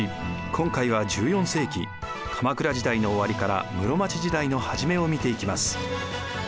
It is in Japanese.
今回は１４世紀鎌倉時代の終わりから室町時代の初めを見ていきます。